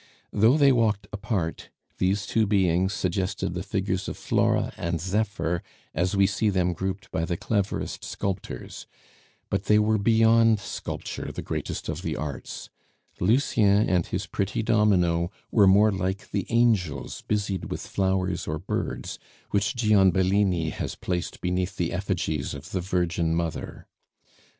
Though they walked apart, these two beings suggested the figures of Flora and Zephyr as we see them grouped by the cleverest sculptors; but they were beyond sculpture, the greatest of the arts; Lucien and his pretty domino were more like the angels busied with flowers or birds, which Gian Bellini has placed beneath the effigies of the Virgin Mother.